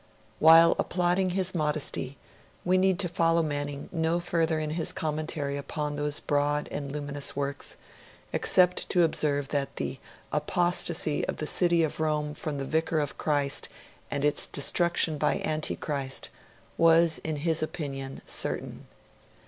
While applauding his modesty, we need follow Manning no further in his commentary upon those broad and luminous works; except to observe that 'the apostasy of the City of Rome from the Vicar of Christ and its destruction by the Antichrist' was, in his opinion, certain.